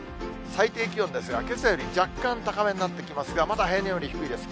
最低気温ですが、けさより若干高めになってきますが、まだ平年より低いです。